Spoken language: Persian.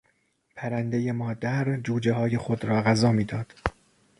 پرندهی مادر جوجههای خود را غذا میداد.